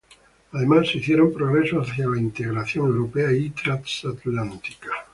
Además se hicieron progresos hacia la integración europea y transatlántica.